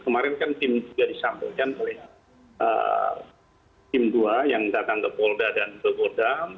kemarin kan tim juga disampaikan oleh tim dua yang datang ke polda dan ke kodam